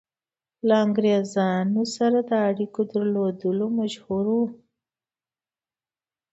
له انګرېزانو سره د اړېکو درلودلو مشهور وو.